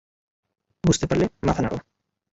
বুঝতে পারলে মাথা নাড়ো।